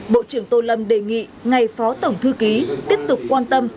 bộ trưởng tô lâm đề nghị ngày phó tổng thư ký tiếp tục quan tâm